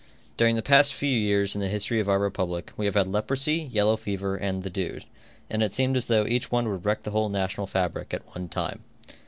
During the past few years in the history of our republic, we have had leprosy, yellow fever and the dude, and it seemed as though each one would wreck the whole national fabric at one time.